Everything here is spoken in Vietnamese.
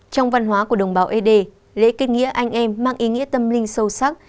trong văn hóa của đồng bào ed lễ kết nghĩa anh em mang ý nghĩa tâm linh sâu sắc